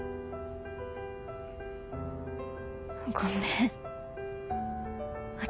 ごめん私。